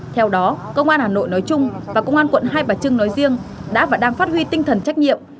chủ động trong mọi tình huống không để bị động bất ngờ